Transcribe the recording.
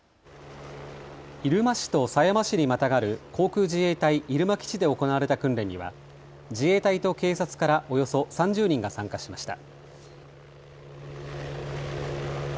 入間市と狭山市にまたがる航空自衛隊入間基地で行われた訓練には自衛隊と警察からおよそ３０人が参加しました。